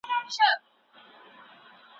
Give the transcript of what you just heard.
خلګ وايي چي خصوصي سکتور ډېر مهم دی.